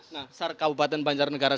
nah sar kabupaten banjarnegara